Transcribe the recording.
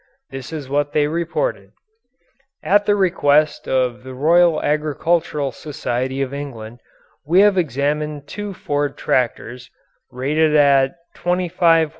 This is what they reported: At the request of the Royal Agricultural Society of England, we have examined two Ford tractors, rated at 25 h.